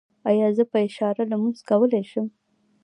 ایا زه په اشاره لمونځ کولی شم؟